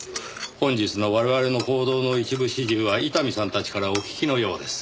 本日の我々の行動の一部始終は伊丹さんたちからお聞きのようです。